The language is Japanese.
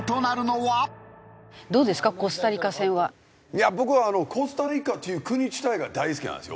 いや僕はコスタリカという国自体が大好きなんですよ